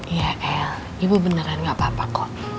iya eh ibu beneran gak apa apa kok